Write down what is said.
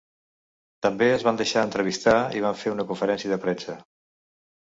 També es van deixar entrevistar i van fer una conferència de premsa.